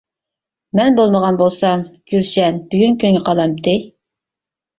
مەن بولمىغان بولسام گۈلشەن بۈگۈنكى كۈنگە قالامتى!